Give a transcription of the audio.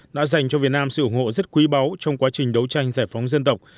đã dành cho việt nam sự ủng hộ rất quý báu trong quá trình đấu tranh giải phóng dân tộc